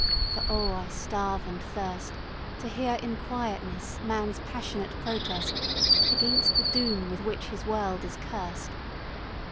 For oh, I starve and thirst To hear in quietness man's passionate protest Against the doom with which his world is cursed.